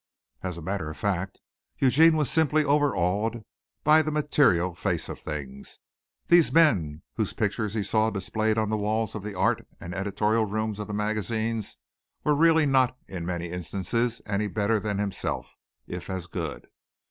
As a matter of fact Eugene was simply overawed by the material face of things. These men whose pictures he saw displayed on the walls of the art and editorial rooms of the magazines were really not, in many instances, any better than himself, if as good.